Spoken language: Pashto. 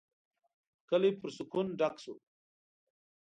کلی پر سکون ډک شو.